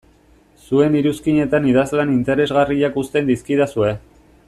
Zuen iruzkinetan idazlan interesgarriak uzten dizkidazue.